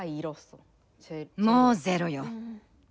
もうゼロよ。